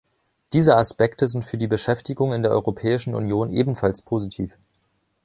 Diese Aspekte sind für die Beschäftigung in der Europäischen Union ebenfalls positiv.